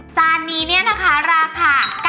จานนี้เนี่ยนะคะราคา